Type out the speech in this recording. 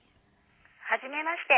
☎はじめまして。